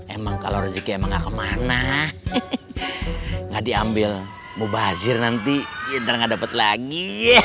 emang kalau rezeki emang gak kemana nggak diambil mubazir nanti ntar nggak dapet lagi